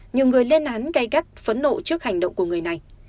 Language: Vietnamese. nhiều người lên án gây gắt phẫn nộ trước hành động của người này